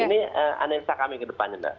ini aneksa kami ke depannya mbak